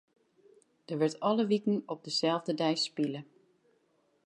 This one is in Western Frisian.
Der wurdt alle wiken op deselde dei spile.